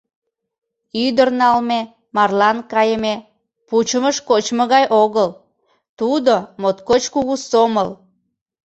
Ӱдыр налме, марлан кайыме — пучымыш кочмо гай огыл, тудо — моткоч кугу сомыл.